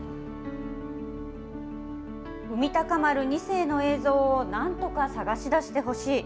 海鷹丸２世の映像をなんとか捜し出してほしい。